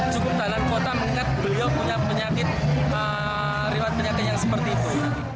cukup tahanan kota meningkat beliau punya penyakit rewat penyakit yang seperti itu